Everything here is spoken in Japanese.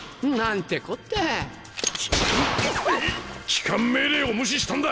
帰還命令を無視したんだ！